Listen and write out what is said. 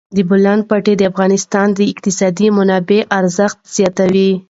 د بولان پټي د افغانستان د اقتصادي منابعو ارزښت زیاتوي.